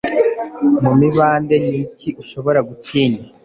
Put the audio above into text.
mu mibande; Ni iki ushobora gutinya?